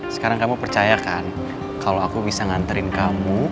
sekarang kamu percaya kan kalau aku bisa nganterin kamu